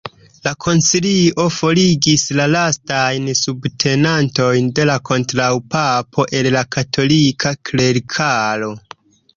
La koncilio forigis la lastajn subtenantojn de la kontraŭpapo el la katolika klerikaro.